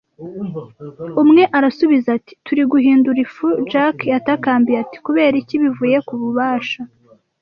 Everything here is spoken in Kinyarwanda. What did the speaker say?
Umwe arasubiza ati: "Turi guhindura ifu, Jack." Yatakambiye ati: “Kubera iki, bivuye ku bubasha?”